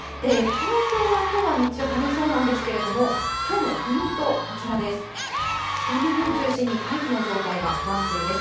東京はきょうは日中、晴れそうなんですけれども、きょうのポイント、こちらです。